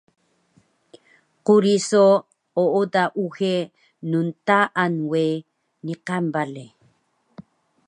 quri so ooda uxe ntaan we niqan bale